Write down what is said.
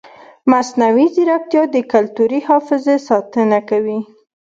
مصنوعي ځیرکتیا د کلتوري حافظې ساتنه کوي.